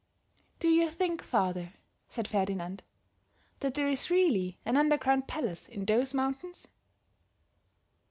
"Do you think, father," said Ferdinand, "that there is really an underground palace in those mountains?"